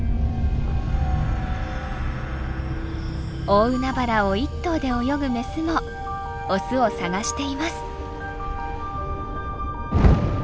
大海原を一頭で泳ぐメスもオスを探しています。